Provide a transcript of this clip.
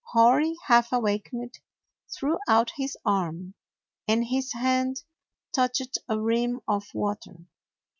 Hori, half awakened, threw out his arm, and his hand touched a rim of water.